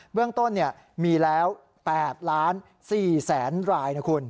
เรื่องต้นมีแล้ว๘๔๐๐๐รายนะคุณ